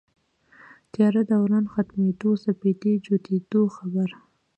تیاره دوران ختمېدو سپېدې جوتېدو خبر